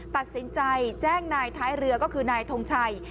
ตัดสินใจแจ้งนายท้ายเรือก็คือนายทงชัย